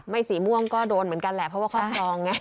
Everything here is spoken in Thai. สีม่วงก็โดนเหมือนกันแหละเพราะว่าครอบครองไง